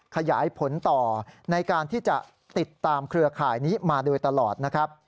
ขยายผลต่อในการที่จะติดตามเครือข่ายนี้มาโดยตลอดนะครับ